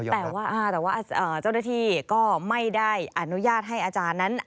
แต่ว่าเจ้าหน้าที่ก็ไม่ได้อนุญาตให้อาจารย์นั้น